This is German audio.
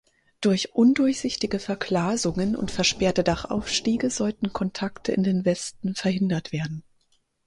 Durch undurchsichtige Verglasungen und versperrte Dachaufstiege sollten Kontakte in den Westen verhindert werden.